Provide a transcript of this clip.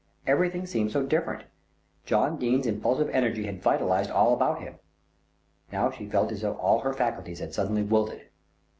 Everything seemed so different. John Dene's impulsive energy had vitalised all about him. Now she felt as if all her faculties had suddenly wilted.